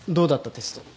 テスト。